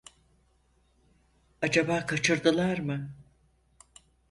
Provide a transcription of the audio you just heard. Acaba kaçırdılar mı?